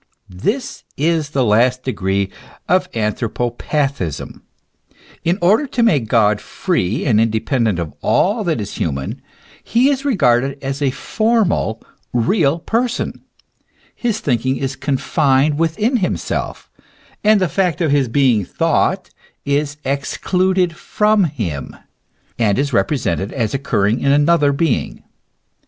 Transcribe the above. This is the last degree of anthropo pathism. In order to make God free and independent of all that is human, he is regarded as a formal, real person, his thinking is confined within himself, and the fact of his being thought is excluded from him, and is represented as occurring in another being.